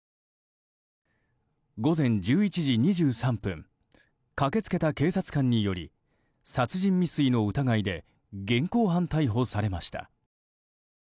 午前１１時２３分駆け付けた警察官により殺人未遂の疑いで現行犯逮捕されました。